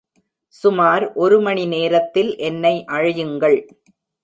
சுமார் ஒரு மணிநேரத்தில் என்னை அழையுங்கள்.